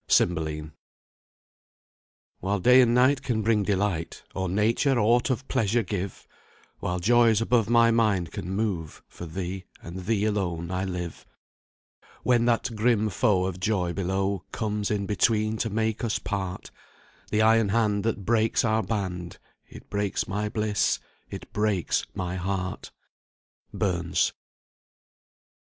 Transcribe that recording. CYMBELINE. "While day and night can bring delight, Or nature aught of pleasure give; While joys above my mind can move For thee, and thee alone I live: "When that grim foe of joy below Comes in between to make us part, The iron hand that breaks our band, It breaks my bliss it breaks my heart." BURNS.